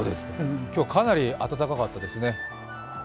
今日は、かなり暖かかったですね。